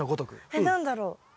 えっ何だろう？